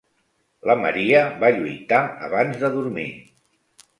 La Maria va lluitar abans de dormir.